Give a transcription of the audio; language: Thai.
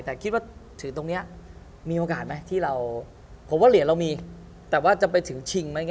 แต่คิดว่าถือตรงนี้มีโอกาสไหมที่เราผมว่าเหรียญเรามีแต่ว่าจะไปถึงชิงไหม